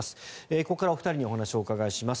ここからはお二人にお話をお伺いします。